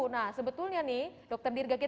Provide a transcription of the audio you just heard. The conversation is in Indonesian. nah sebetulnya nih dokter dirga kita